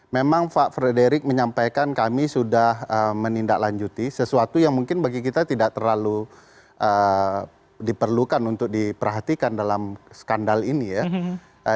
memang pak frederick menyampaikan kami sudah menindaklanjuti sesuatu yang mungkin bagi kita tidak terlalu diperlukan untuk diperhatikan dalam skandal ini ya